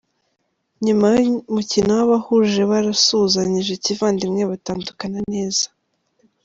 Nyuma y'umukino wabahuje, barasuhuzanyije kivandimwe batandukana neza.